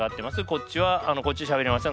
こっちはこっちしゃべりません。